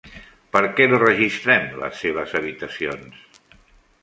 Per què no registrem les seves habitacions?